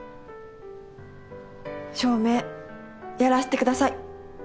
照明やらせてください。